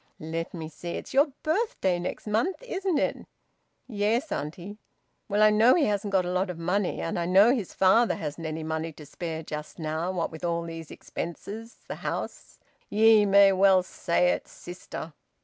"Let me see, it's your birthday next month, isn't it?" "Yes, auntie." "Well, I know he hasn't got a lot of money. And I know his father hasn't any money to spare just now what with all these expenses the house " "Ye may well say it, sister!"